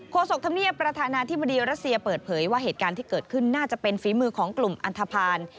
ศกธรรมเนียบประธานาธิบดีรัสเซียเปิดเผยว่าเหตุการณ์ที่เกิดขึ้นน่าจะเป็นฝีมือของกลุ่มอันทภาณ